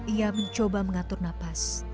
ia mencoba mengatur nafas